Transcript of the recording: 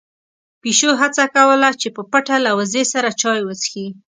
پيشو هڅه کوله چې په پټه له وزې سره چای وڅښي.